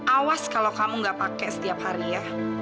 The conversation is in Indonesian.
awas kalau kamu gak pake setiap hari ya